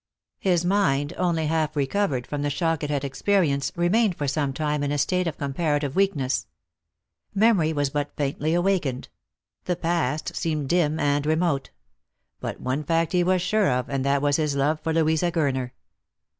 His mind, only half recovered from the shock it had 332 Lost for Love. experienced, remained for some time in a state of comparative "weakness. Memory was but faintly awakened ; the past seemed dim and remote ; but one fact he was very sure of, and that was his love for Louisa Gurner.